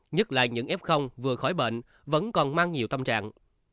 nhất là những f vừa khỏi bệnh vẫn còn mang nhiều tâm trạng